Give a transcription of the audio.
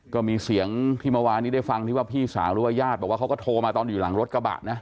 ก็มีเสียงที่เมื่อวานนี้ได้ฟังที่ว่าพี่สาวหรือว่าญาติบอกว่าเขาก็โทรมาตอนอยู่หลังรถกระบะนะ